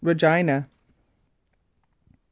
REGINA MR.